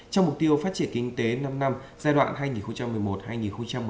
trong mục tiêu phát triển kinh tế năm năm giai đoạn hai nghìn một mươi một hai nghìn hai mươi